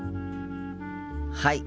はい。